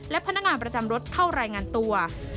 และพนักงานประจำรถเข้ารายงานตัว